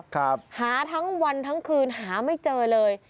หาทั้งวันทั้งคืนหาไม่เจอเลย